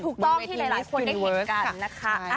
ถูกต้องที่หลายคนได้เห็นกันนะคะ